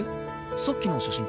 さっきの写真って？